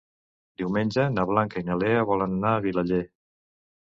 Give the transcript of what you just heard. Diumenge na Blanca i na Lea volen anar a Vilaller.